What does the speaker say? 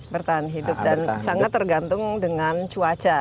bertahan hidup dan sangat tergantung dengan cuaca